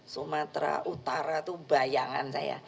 sumatera utara itu bayangan saya